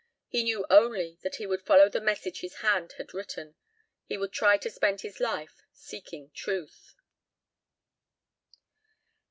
He knew only that he would follow the message his hand had written. He would try to spend his life seeking truth.